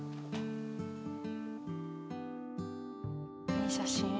いい写真。